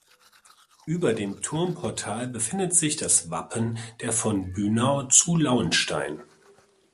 Über dem Turmportal befindet sich das Wappen der von Bünau zu Lauenstein.